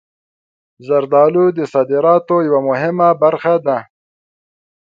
زردالو د صادراتو یوه مهمه برخه ده.